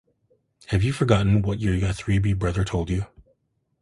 Have you forgotten what your Yathribi brother told you?